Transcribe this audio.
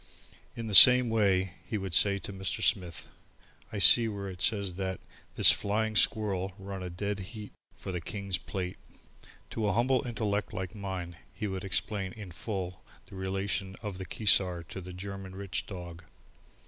In the same way he would say to Mr. Smith: "I see where it says that this 'Flying Squirl' run a dead heat for the King's Plate." To a humble intellect like mine he would explain in full the relations of the Keesar to the German Rich Dog.